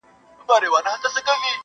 سرداري يې زما په پچه ده ختلې٫